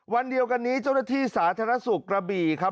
วันเดียวกันนี้เจ้าหน้าที่สาธารณสุขกระบี่ครับ